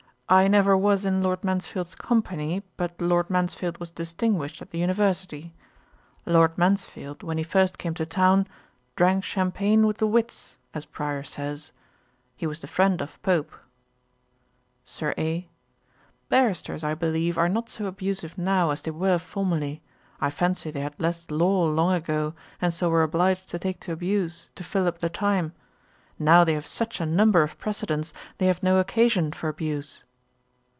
I never was in Lord Mansfield's company; but Lord Mansfield was distinguished at the University. Lord Mansfield, when he first came to town, "drank champagne with the wits," as Prior says. He was the friend of Pope.' SIR A. 'Barristers, I believe, are not so abusive now as they were formerly. I fancy they had less law long ago, and so were obliged to take to abuse, to fill up the time. Now they have such a number of precedents, they have no occasion for abuse.'